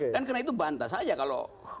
dan karena itu bantas saja kalau